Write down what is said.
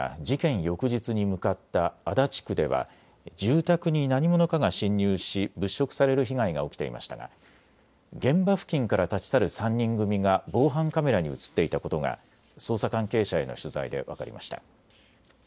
翌日に向かった足立区では住宅に何者かが侵入し物色される被害が起きていましたが、現場付近から立ち去る３人組が防犯カメラに写っていたことが捜査関係者への取材で分かりました。